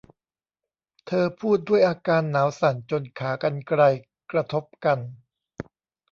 เธอพูดด้วยอาการหนาวสั่นจนขากรรไกรกระทบกัน